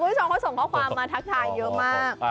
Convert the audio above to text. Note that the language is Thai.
คุณผู้ชมเขาส่งข้อความมาทักทายเยอะมาก